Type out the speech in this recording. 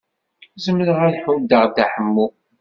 Zemreɣ ad ḥuddeɣ Dda Ḥemmu.